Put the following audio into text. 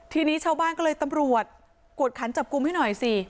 ทีนี้ชาวบ้านก็เลยตำรวจกวดขันจับกลุ่มให้หน่อยสิ